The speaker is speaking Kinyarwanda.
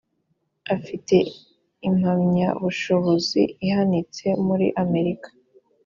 afite impamyabushobozi ihanitse muri amerika